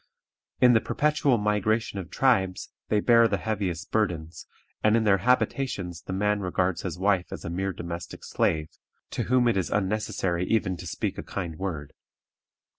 In the perpetual migration of tribes they bear the heaviest burdens, and in their habitations the man regards his wife as a mere domestic slave, to whom it is unnecessary even to speak a kind word.